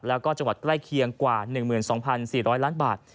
แล้วก็จังหวัดใกล้เคียงกว่า๑๒๔๐๐ล้านบาท